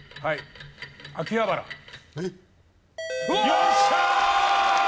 よっしゃー！